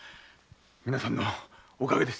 皆さんのおかげです。